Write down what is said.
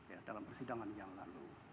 ya dalam persidangan yang lalu